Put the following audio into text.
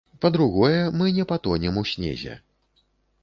Па-другое, мы не патонем у снезе.